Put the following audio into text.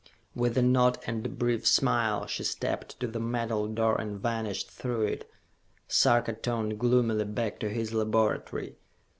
With a nod and a brief smile, she stepped to the metal door and vanished through it. Sarka turned gloomily back to his laboratory.